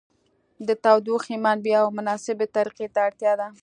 د تودوخې منبع او مناسبې طریقې ته اړتیا ده.